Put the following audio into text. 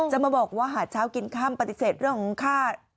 จะมาบอกว่าหาเช้ากินค่ำปฏิเสธเรื่องของค่า